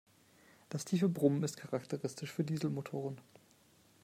Das tiefe Brummen ist charakteristisch für Dieselmotoren.